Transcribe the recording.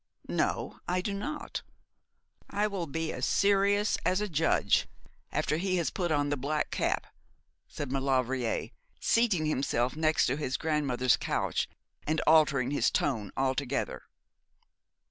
'No, I do not. I will be as serious as a judge after he has put on the black cap,' said Maulevrier, seating himself near his grandmother's couch, and altering his tone altogether.